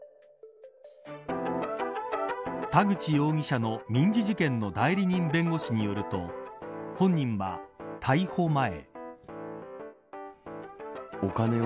田口容疑者の民事事件の代理人弁護士によると本人は逮捕前。